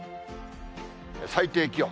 最低気温。